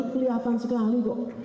kelihatan sekali kok